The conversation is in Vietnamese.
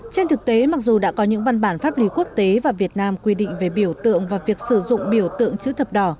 trên thực tế mặc dù đã có những văn bản pháp lý quốc tế và việt nam quy định về biểu tượng và việc sử dụng biểu tượng chữ thập đỏ